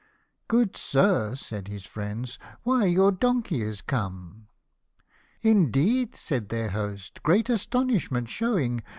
'' Good sir !" said his friends, " why your donkey is " Indeed !" said their host, great astonishment show ing.